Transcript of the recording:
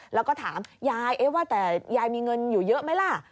แล้วก็ถามยายว่าแต่ยายมีเงินอยู่เยอะไหมล่ะ